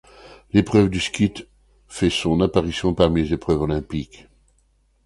L'épreuve du skeet fait son apparition parmi les épreuves olympiques.